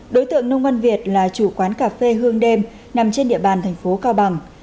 đối tượng nông văn việt là chủ quán cà phê hương đêm nằm trên địa bàn thành phố cao bằng